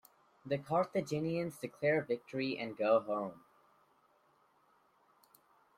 The Carthaginians declare victory and go home.